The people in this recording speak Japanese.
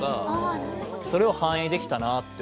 それを反映できたらなと。